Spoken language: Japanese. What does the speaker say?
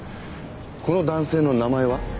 この男性の名前は？